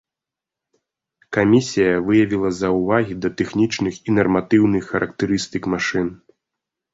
Камісія выявіла заўвагі да тэхнічных і нарматыўных характарыстык машын.